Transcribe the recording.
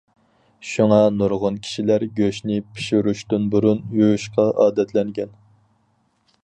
شۇڭا نۇرغۇن كىشىلەر گۆشنى پىشۇرۇشتىن بۇرۇن يۇيۇشقا ئادەتلەنگەن.